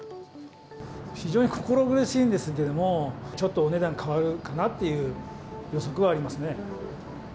非常に心苦しいんですけれども、ちょっとお値段変わるかなっていう予測はありますね。